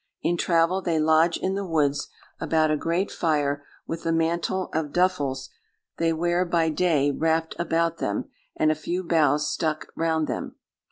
In travel, they lodge in the woods, about a great fire, with the mantle of duffils they wear by day wrapt about them, and a few boughs stuck round them.